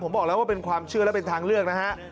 ผมบอกแล้วว่าเป็นความเชื่อและเป็นทางเลือกนะฮะ